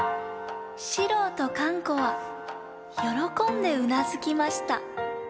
四郎とかん子はよろこんでうなずきました。